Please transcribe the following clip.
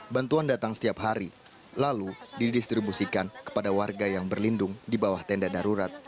bantuan datang setiap hari lalu didistribusikan kepada warga yang berlindung di bawah tenda darurat